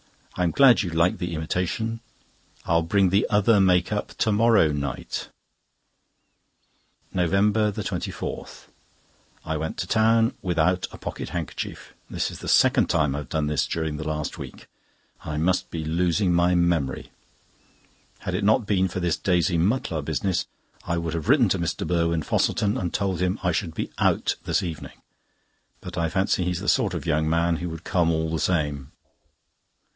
I'm glad you like the imitation, I'll bring the other make up to morrow night." NOVEMBER 24.—I went to town without a pocket handkerchief. This is the second time I have done this during the last week. I must be losing my memory. Had it not been for this Daisy Mutlar business, I would have written to Mr. Burwin Fosselton and told him I should be out this evening, but I fancy he is the sort of young man who would come all the same.